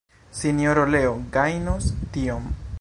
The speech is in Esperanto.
Sinjoro Leo gajnos tiom.